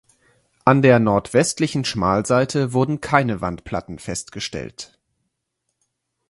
An der nordwestlichen Schmalseite wurden keine Wandplatten festgestellt.